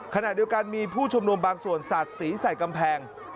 ขณะเดียวกันมีผู้ชุมนุมบางส่วนสาดสีใส่กำแพง